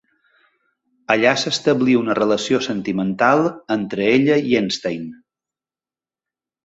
Allà s'establí una relació sentimental entre ella i Einstein.